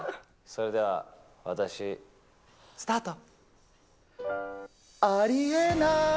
それではわたし、スタート。